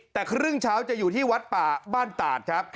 แต่ครึ่งเช้าจะอยู่ที่วัดป่าบ้านตาดครับ